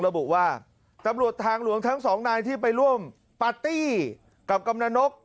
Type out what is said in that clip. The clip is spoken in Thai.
ระบุว่าตำรวจทางหลวงทั้งสองนายที่ไปร่วมปาร์ตี้กับกำลังนก